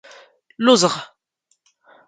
ⵍⵓⵥⵖ!